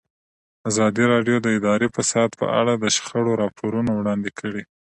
ازادي راډیو د اداري فساد په اړه د شخړو راپورونه وړاندې کړي.